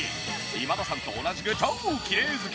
今田さんと同じく超きれい好き。